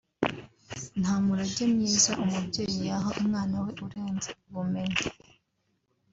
Nta murage mwiza umubyeyi yaha umwana we urenze ubumenyi